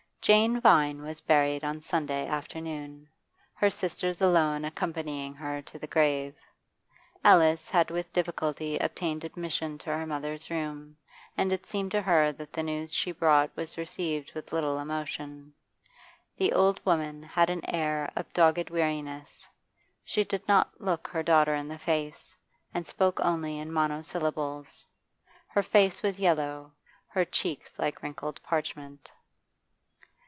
Jane Vine was buried on Sunday afternoon, her sisters alone accompanying her to the grave. Alice had with difficulty obtained admission to her mother's room, and it seemed to her that the news she brought was received with little emotion. The old woman had an air of dogged weariness; she did not look her daughter in the face, and spoke only in monosyllables. Her face was yellow, her cheeks like wrinkled parchment.